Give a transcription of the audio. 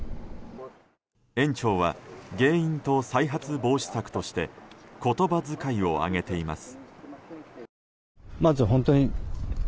園長は原因と再発防止策として言葉遣いを挙げています。